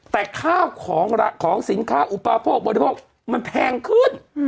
แต่ข้าวของของสินค้าอุปโภคบริโภคมันแพงขึ้น